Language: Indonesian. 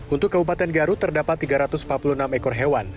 untuk kabupaten garut terdapat tiga ratus empat puluh enam ekor hewan